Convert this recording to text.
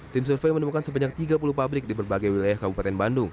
tim survei menemukan sebanyak tiga puluh pabrik di berbagai wilayah kabupaten bandung